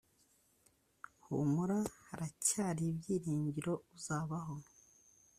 Humura haracyaribyiringiro uzabaho